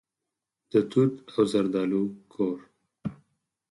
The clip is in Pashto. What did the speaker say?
د توت او زردالو کور.